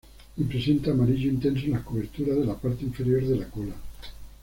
Y presenta amarillo intenso en las coberteras de la parte inferior de la cola.